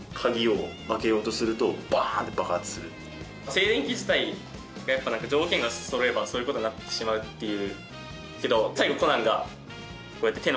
静電気自体がやっぱ条件がそろえばそういう事になってしまうっていう。